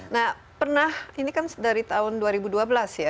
nah pernah ini kan dari tahun dua ribu dua belas ya